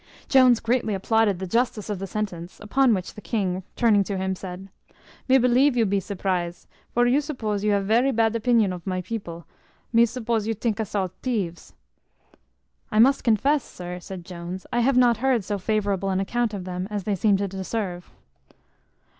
Jones greatly applauded the justice of the sentence: upon which the king, turning to him, said, "Me believe you be surprize: for me suppose you have ver bad opinion of my people; me suppose you tink us all de tieves." "I must confess, sir," said Jones, "I have not heard so favourable an account of them as they seem to deserve."